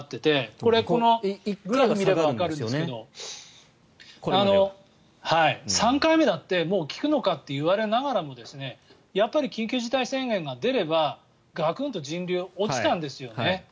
これ、グラフを見ればわかるんですけど３回目だってもう効くのかと言われながらもやっぱり緊急事態宣言が出ればガクンと人流が落ちたんですよね。